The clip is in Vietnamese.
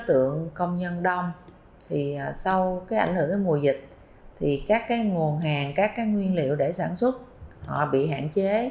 các tượng công nhân đông thì sau cái ảnh hưởng cái mùa dịch thì các cái nguồn hàng các cái nguyên liệu để sản xuất họ bị hạn chế